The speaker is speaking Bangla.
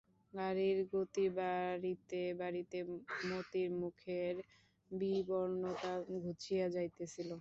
গাড়ির গতি বাড়িতে বাড়িতে মতির মুখের বিবর্ণতা ঘুচিয়া যাইতেছিল।